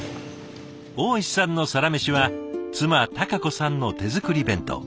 大石さんのサラメシは妻多歓子さんの手作り弁当。